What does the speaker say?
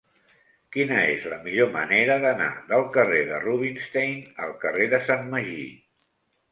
Quina és la millor manera d'anar del carrer de Rubinstein al carrer de Sant Magí?